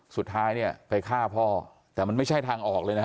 สุดท้ายเนี่ยไปฆ่าพ่อแต่มันไม่ใช่ทางออกเลยนะฮะ